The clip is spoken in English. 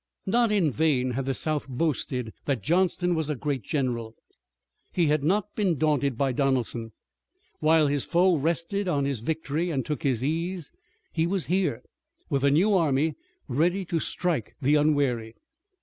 Not in vain had the South boasted that Johnston was a great general. He had not been daunted by Donelson. While his foe rested on his victory and took his ease, he was here with a new army, ready to strike the unwary.